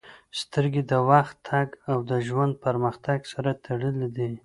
• سترګې د وخت تګ او د ژوند پرمختګ سره تړلې دي.